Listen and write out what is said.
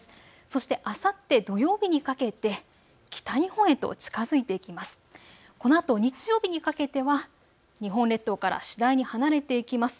そしてあさって土曜日にかけて北日本へと近づいていきます。